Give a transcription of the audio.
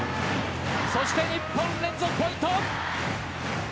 そして日本、連続ポイント。